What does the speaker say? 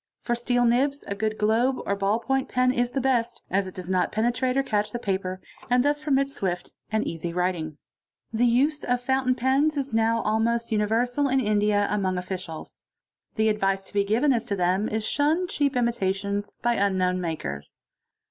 For steel nibs a good globe or ball pointed pen 1e best, as it does not penetrate or catch the paper, and thus permits 144 EQUIPMENT OF THE INVESTIGATING OFFICER swift and easy writing. The use of fountain pens is now almost uni versal in India among officials. The advice to be given as to them is, to shun cheap imitations by unknown makers.